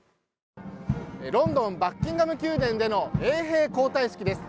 ロンドン・バッキンガム宮殿での衛兵交代式です。